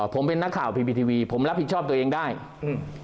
ผมเป็นนักข่าวพิมพีทีวีผมรับผิดชอบตัวเองได้อืม